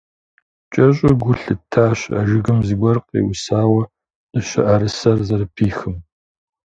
КӀэщӀу гу лъыттащ а жыгым зыгуэр къеуэсауэ дыщэӀэрысэр зэрыпихым.